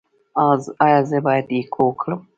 ایا زه باید اکو وکړم؟